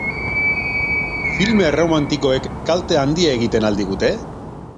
Filme erromantikoek kalte handia egiten al digute?